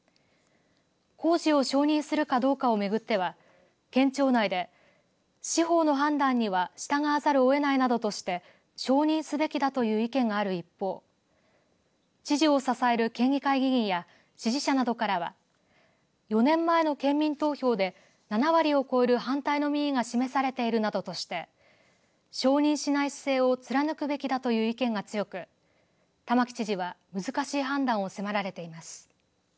工場を承認するかどうかを巡っては県庁内で司法の判断には従わざるをえないなどとして承認すべきだという意見がある一方知事を支える県議会議員や支持者などからは４年前の県民投票で７割を超える反対の民意が示されているなどとして承認しない姿勢を貫くべきだという意見が強く玉城知事は難しい判断を迫られています。